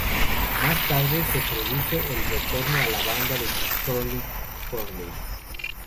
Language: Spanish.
Más tarde se produce el retorno a la banda de Curly Curley.